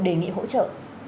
đề nghị hỗ trợ